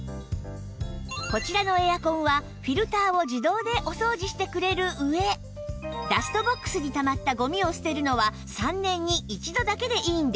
こちらのエアコンはフィルターを自動でお掃除してくれるうえダストボックスにたまったゴミを捨てるのは３年に１度だけでいいんです